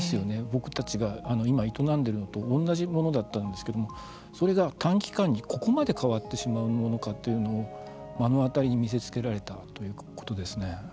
僕たちが今、営んでいるのと同じものだったんですけれどもそれが短期間にここまで変わってしまうものかというのを目の当たりに見せつけられたということですね。